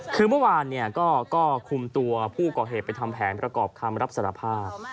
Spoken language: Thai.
คือเมื่อวานก็คุมตัวผู้ก่อเหตุไปทำแผนประกอบคำรับสารภาพ